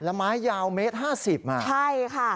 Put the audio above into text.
แล้วไม้ยาวเมตร๕๐คัก